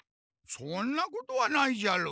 そんなことはないじゃろ。